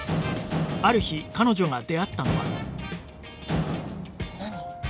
ある日彼女が出会ったのは何！？